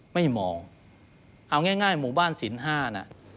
ไม่มองเอาง่ายหมู่บ้านสิน๕น่ะ